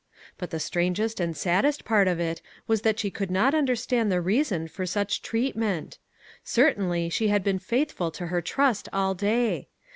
But the strangest and saddest part of it was that she could not understand the reason for such treat ment. Certainly she had been faithful to her trust all day.